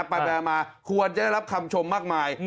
ประเด็นมาควรจะรับคำชมมากมาย